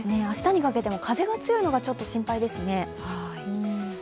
明日にかけても風が強いのがちょっと心配ですね。